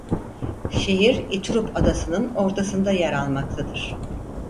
Şehir İturup Adası'nın ortasında yer almaktadır.